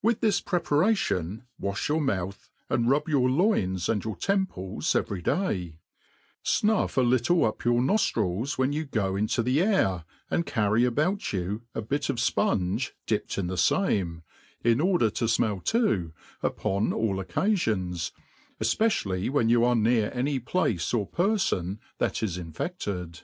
With this preparation wafli your mouth, and rub your loins and your temples every day ; fnuS^a little up your noftrils when you go into the air, and carry about you a bit of fpunge dipped in the fame, in order to, fmell to upon all occafions, elpecially when you are near anyplace or perfon that is infeded.